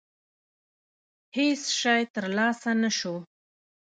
هېڅ شی ترلاسه نه شو.